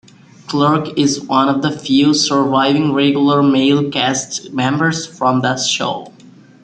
Clark is one of the few surviving regular male cast members from the show.